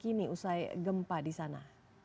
kini usai gempa di sana